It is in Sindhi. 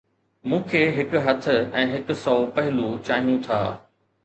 مون کي هڪ هٿ ۽ هڪ سؤ پهلو چاهيون ٿا